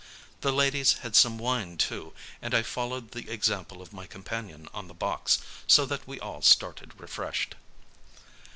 The ladies had some wine, too, and I followed the example of my companion on the box, so that we all started refreshed.